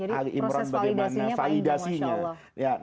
jadi proses validasinya apa ini masya allah